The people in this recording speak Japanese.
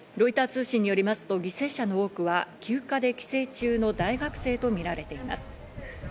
ロイター通信によりますと、犠牲者の多くは休暇で帰省中の大学生とみられています。